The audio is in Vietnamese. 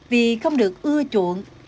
vì không được ưa chuộng